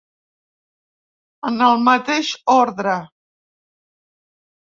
En el mateix ordre.